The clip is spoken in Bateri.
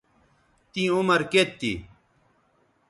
تیں عمر کیئت تھی